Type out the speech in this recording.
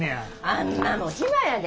あん摩も暇やで。